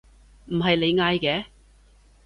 唔係你嗌嘅？